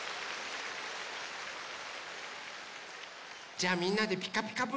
じゃあみんなで「ピカピカブ！」